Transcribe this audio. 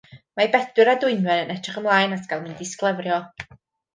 Mae Bedwyr a Dwynwen yn edrych ymlaen at gael mynd i sglefrio.